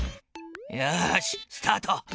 よしスタート。